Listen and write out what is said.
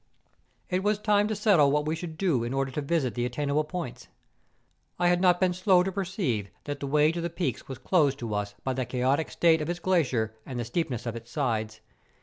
It was time to settle what we should do in order to visit the attainable points. I had not been slow . to perceive that the way to the peaks was closed to us by the chaotic state of its glacier, and the steep¬ ness of its sides.